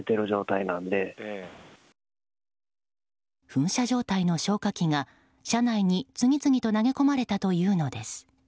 噴射状態の消火器が車内に次々と投げ込まれたというのです。